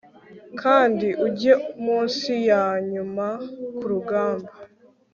Kandi ujye munsi yanyuma kurugamba